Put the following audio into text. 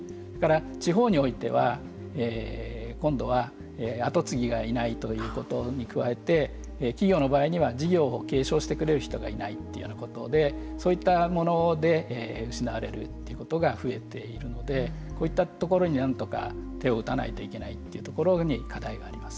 地方においては今度は跡継ぎがいないということに加えて企業の場合には事業を継承してくれる人がいないということでそういったもので失われるということが増えているのでこういったところになんとか手を打たないといけないというところに課題があります。